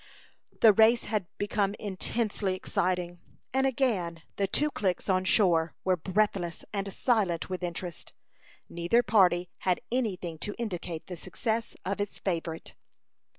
The race had become intensely exciting, and again the two cliques on shore were breathless and silent with interest. Neither party had any thing to indicate the success of its favorite.